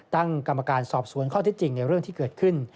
ตั้งกรรมการสอบสวนข้อที่จริงในเรื่องที่เกิดขึ้น